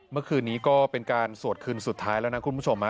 เมื่อคืนนี้ก็เป็นการสวดคืนสุดท้ายแล้วนะคุณผู้ชม